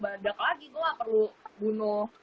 badak lagi gue gak perlu bunuh